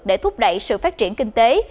để thúc đẩy sự phát triển kinh tế